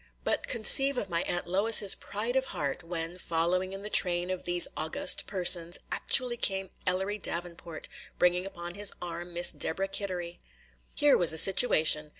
But conceive of my Aunt Lois's pride of heart, when, following in the train of these august persons, actually came Ellery Davenport, bringing upon his arm Miss Deborah Kittery. Here was a situation!